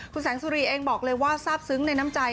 คุณแสงสุรีเองบอกเลยว่าทราบซึ้งในน้ำใจ